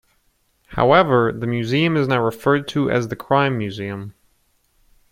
However the museum is now referred to as the Crime Museum.